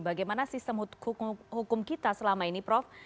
bagaimana sistem hukum kita selama ini prof